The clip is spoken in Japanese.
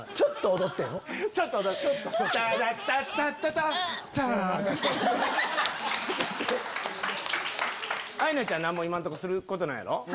タンアイナちゃん何も今のとこすることないやろ。